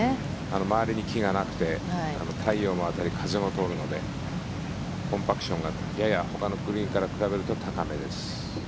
周りに木がなくて太陽も当たり、風も通るのでコンパクションがややほかのグリーンと比べると高めです。